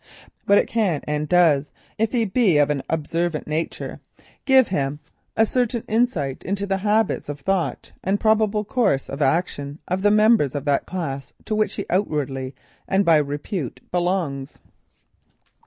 But it can and does if he be of an observant nature, give him a certain insight into the habits of thought and probable course of action of the members of that class to which he outwardly, and by repute, belongs.